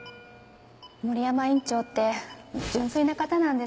森山院長って純粋な方なんですね。